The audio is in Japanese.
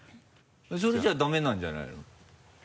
それじゃあダメなんじゃないの？